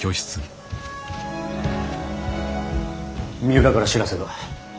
三浦から知らせが。